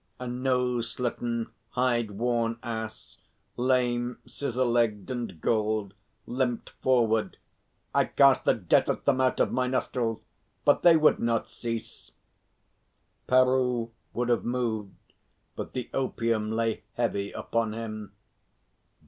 A nose slitten, hide worn Ass, lame, scissor legged, and galled, limped forward. "I cast the death at them out of my nostrils, but they would not cease." Peroo would have moved, but the opium lay heavy upon him.